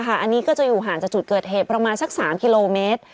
อันนี้ก็จะอยู่ห่างจากจุดเกิดเหตุประมาณสัก๓กิโลเมตร